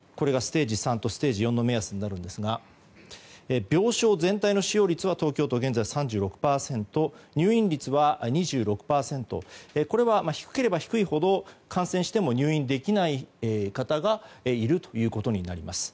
まず、国の指標及び目安これがステージ３とステージ４の目安になるんですが病床全体の使用率は東京都現在３６％入院率は２６％これは低ければ低いほど感染しても入院できない方がいるということになります。